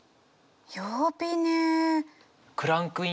曜日ね。